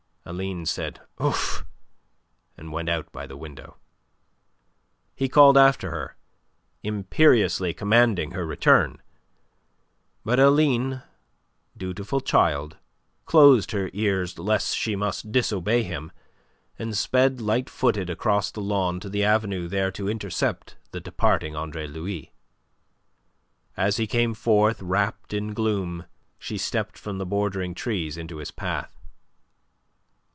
Aline said "Ouf!" and went out by the window. He called after her, imperiously commanding her return. But Aline dutiful child closed her ears lest she must disobey him, and sped light footed across the lawn to the avenue there to intercept the departing Andre Louis. As he came forth wrapped in gloom, she stepped from the bordering trees into his path.